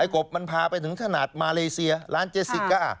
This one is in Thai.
กบมันพาไปถึงขนาดมาเลเซียร้านเจสสิก้า